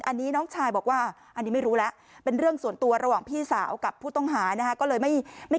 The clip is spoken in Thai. อันนี้น้องชายบอกว่าอันนี้ไม่รู้แล้วเป็นเรื่องส่วนตัวระหว่างพี่สาวกับผู้ต้องหานะฮะก็เลยไม่ไม่